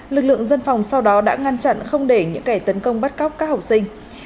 lực lượng dân phòng sau đó đã ngăn chặn không để những kẻ tấn công bắt cóc các học sinh